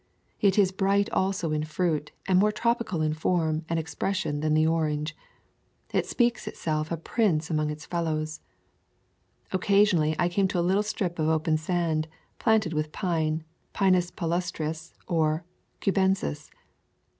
It is bright also in fruit and more tropical in form and expression than the orange. It speaks itself a prince among its fellows. Occasionally, I came to a little strip of open sand, planted with pine (Pinus palustris or Cubensis).